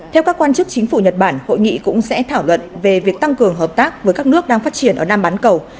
theo các quan chức chính phủ nhật bản hội nghị cũng sẽ thảo luận về việc tăng cường hợp tác với các nước đang phát triển ở nam bán cầu